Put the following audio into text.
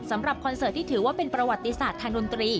คอนเสิร์ตที่ถือว่าเป็นประวัติศาสตร์ทางดนตรี